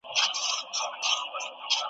هره ورځ به په دعا یو د زړو کفن کښانو .